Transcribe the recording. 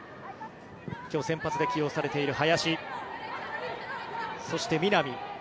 今日、先発で起用されている林。